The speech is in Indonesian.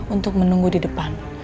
untuk menunggu di depan